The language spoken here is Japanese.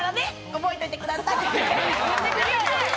覚えといてください。